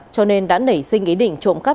cho nên đã nảy sinh ý định trộm cắp